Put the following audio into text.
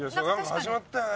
「始まったよね」